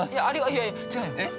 ◆いやいや、違うやん。